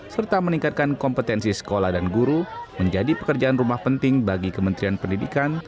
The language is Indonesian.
serta meningkatkan kompetensi sekolah dan guru menjadi pekerjaan rumah penting bagi kementerian pendidikan